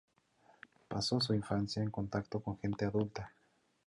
Pasó su infancia en contacto con gente adulta.